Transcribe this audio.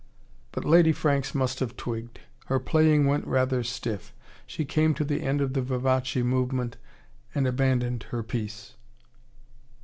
But Lady Franks must have twigged. Her playing went rather stiff. She came to the end of the vivace movement, and abandoned her piece.